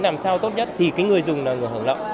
làm sao tốt nhất thì cái người dùng là người hưởng lợi